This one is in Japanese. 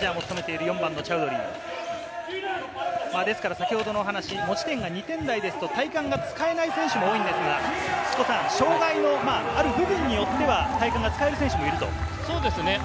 先程の話、持ち点が２点台ですと体幹が使えない選手も多いんですが、障がいのある部分によっては体幹が使える選手もいると。